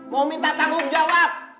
mau minta tanggung jawab